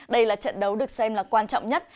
đây là trận đấu được xem là quan trọng nhất